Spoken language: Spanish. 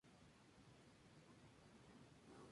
Fue interpretado por un tigre de bengala llamado Bombay.